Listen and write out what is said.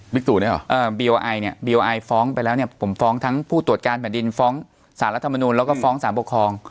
บิ๊กตูนี่หรอเอ่อบีโอไอเนี้ยบีโอไอฟ้องไปแล้วเนี้ยผมฟ้องทั้งผู้ตรวจการแบบดินฟ้องสารรัฐมนูลแล้วก็ฟ้องสารปกครอง